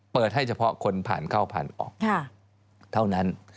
เปิดให้เฉพาะคนผ่านเข้าผ่านออกเท่านั้น